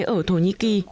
ở thổ nhĩ kỳ